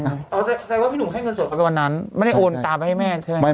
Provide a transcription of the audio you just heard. แสดงว่าพี่หนุ่มให้เงินสดไปวันนั้นไม่ได้โอนตามไปให้แม่ใช่ไหม